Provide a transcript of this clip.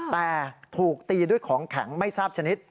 แต่ถูกตีด้วยของแข็งไม่ทราบชนิด